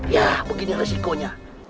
yah begini resikonya